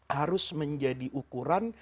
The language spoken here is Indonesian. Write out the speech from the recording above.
harus menjadi ukuran